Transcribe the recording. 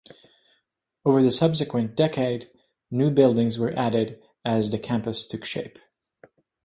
Over the subsequent decade, new buildings were added as the campus took shape.